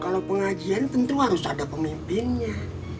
kalau pengajian tentu harus ada pemimpinnya